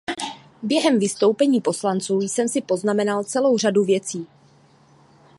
Během vystoupení poslanců jsem si poznamenal celou řadu věcí.